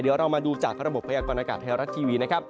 เดี๋ยวเรามาดูจากระบบพยากรณากาศไทยรัฐทีวีนะครับ